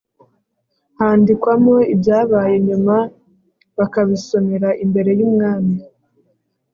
Handikwamo ibyabaye nyuma bakabisomera imbere yumwami